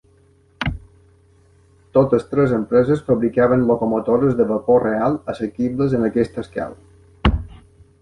Totes tres empreses fabricaven locomotores de vapor real assequibles en aquesta escala.